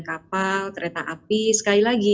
kapal kereta api sekali lagi